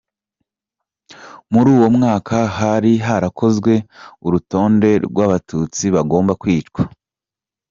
Muri uwo mwaka hari harakozwe urutonde rw’abatutsi bagombaga kwicwa.